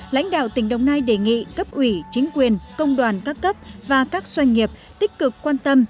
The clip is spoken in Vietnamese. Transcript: lãnh đạo tỉnh đồng nai đề nghị cấp ủy chính quyền công đoàn các cấp và các doanh nghiệp tích cực quan tâm